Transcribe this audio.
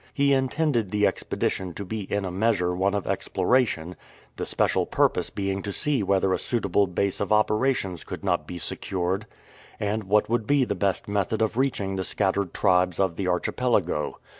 He intended the expedition to be in a measure one of exploration, the special purpose being to see whether a suitable base of operations could not be secured, and what would be the best method of reaching the scattered tribes of the archipelago.